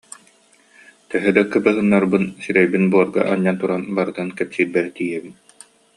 Төһө да кыбыһыннарбын сирэйбин буорга анньан туран барытын кэпсиирбэр тиийэбин